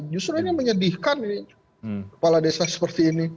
justru ini menyedihkan ini kepala desa seperti ini